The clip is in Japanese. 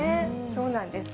そうなんです。